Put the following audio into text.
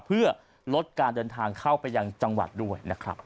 เพื่อลดการเดินทางเข้าไปยังจังหวัดด้วยนะครับ